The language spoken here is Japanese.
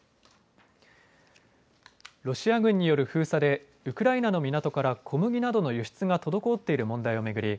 ロシア軍による封鎖でウクライナの港から小麦などの輸出が滞っている問題を巡り